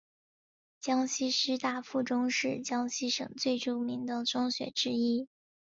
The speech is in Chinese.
江西师大附中是江西省最著名的中学之一。